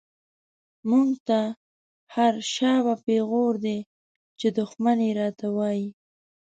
موږ ته هر” شا به” پيغور دی، چی دښمن يې را ته وايې